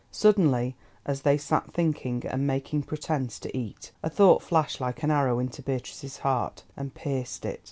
Suddenly, as they sat thinking, and making pretence to eat, a thought flashed like an arrow into Beatrice's heart, and pierced it.